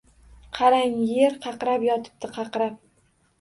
Qarang, yer qaqrab yotibdi, qaqrab!